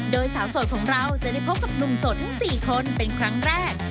โดยสาวโสดของเราจะได้พบกับหนุ่มโสดทั้ง๔คนเป็นครั้งแรก